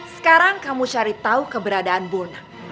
sekarang kamu cari tahu keberadaan buna